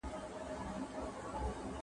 ¬ پښې د کمبلي سره غځوه.